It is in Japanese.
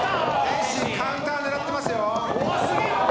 天心、カウンター狙ってますよ。